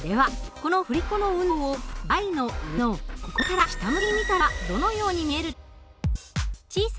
この振り子の運動を台の上のここから下向きに見たらどのように見えるでしょうか？